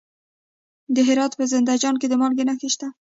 د هرات په زنده جان کې د مالګې نښې شته.